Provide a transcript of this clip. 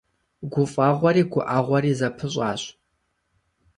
ГуфӀэгъуэри гуӀэгъуэри зэпыщӀащ.